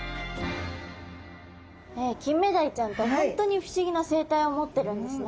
キンメダイちゃんって本当に不思議な生態を持ってるんですね。